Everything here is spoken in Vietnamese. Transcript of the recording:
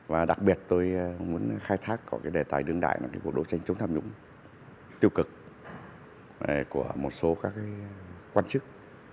và đặc biệt tôi muốn khai thác có cái đề tài đương đại là cái cuộc đấu tranh chống tham nhũng tiêu cực của một số các quan chức